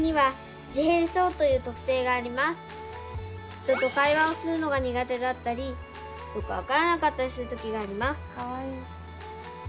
人と会話をするのが苦手だったりよく分からなかったりする時があります。